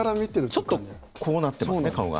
ちょっとこうなってますね顔が。